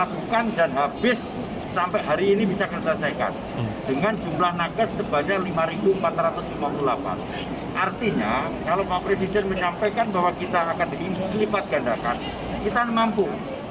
presiden menyampaikan bahwa kita akan terlibat gandakan kita mampu